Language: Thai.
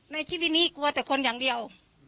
ในชีวิตนี้กลัวแต่คนอย่างเดียว